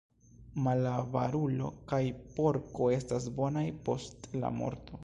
Malavarulo kaj porko estas bonaj post la morto.